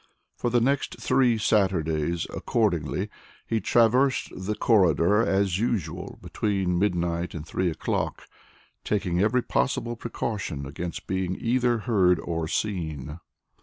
For the next three Saturdays, accordingly, he traversed the corridor as usual between midnight and three o'clock, taking every possible precaution against being either heard or seen.